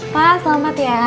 pak selamat ya